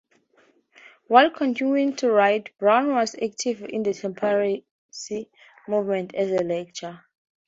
While continuing to write, Brown was active in the Temperance movement as a lecturer.